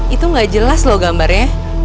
itu gak jelas loh gambarnya